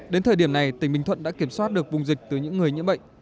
đến thời điểm này tỉnh bình thuận đã kiểm soát được vùng dịch từ những người nhiễm bệnh